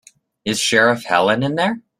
Is Sheriff Helen in there?